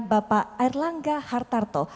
bapak erlangga hartarto